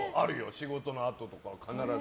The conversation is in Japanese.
仕事のあととか必ず。